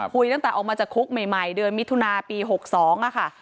คุยตั้งแต่ออกมาจากคุกใหม่เดือนมิถุนาปี๖๒ค่ะ